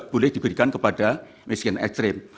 boleh diberikan kepada miskin ekstrim